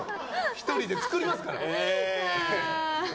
１人で作りますから。